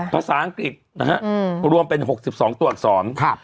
ภาษาอังกฤษนะฮะอืมรวมเป็นหกสิบสองตัวอักษรค่ะ